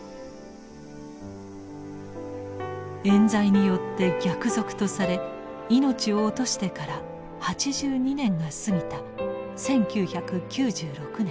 冤罪によって逆賊とされ命を落としてから８２年が過ぎた１９９６年。